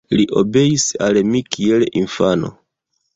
Li obeis al mi kiel infano.